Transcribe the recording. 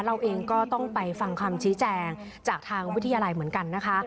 เราเองก็ต้องไปฟังคำชี้แจงจากทางวิทยาลัยเหมือนกันนะคะ